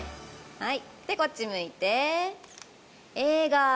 はい。